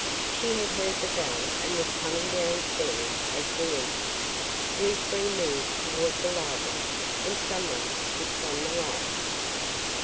She had heard the bell and was coming downstairs as we entered. We three moved toward the library and someone switched on the lights.